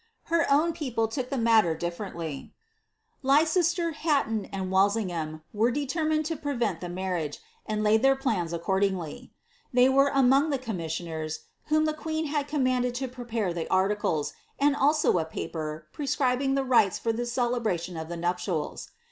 Her own people took the matter differently. Leicester, Hatton, and Walsingham, were determined to prevent the marriage, and laid theii plans accordingly. They were among the commissioners, whom the queen had commanded to prepare the articles, and also a paper, pre scribing the rites for the celebration of the nuptials.'